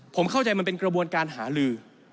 ผมเข้าใจมันเป็นกระบวนการหาลือ